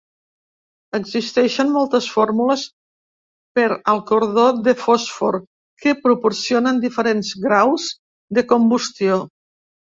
Existeixen moltes fórmules per al cordó de fòsfor, que proporcionen diferents graus de combustió.